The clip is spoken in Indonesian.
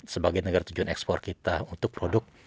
sebagai negara tujuan ekspor kita untuk produk